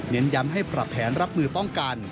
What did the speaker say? ย้ำให้ปรับแผนรับมือป้องกัน